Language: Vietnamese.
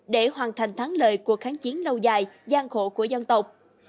để hoàn thành thắng lợi cuộc kháng chiến lâu dài gian khổ của dân tộc